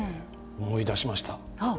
思い出しました。